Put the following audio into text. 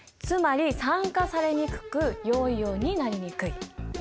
つまり酸化されにくく陽イオンになりにくい。